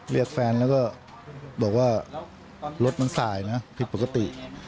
เรียกแฟนแล้วก็บอกว่ารถมันสายนะผิดปกติ